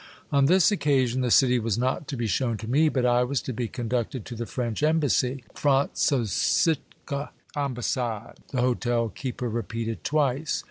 On this occasion the city was not to be shown to me, but I was to be conducted to the French Embassy, Frantzsosiche Ambassad !" the hotel keeper repeated twice.